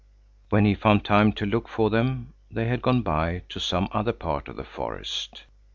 When he found time to look for them, they had gone by to some other part of the forest.